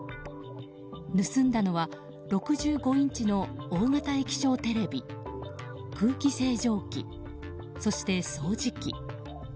盗んだのは６５インチの大型液晶テレビ空気清浄機、そして掃除機。